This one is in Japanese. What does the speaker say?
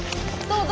どう？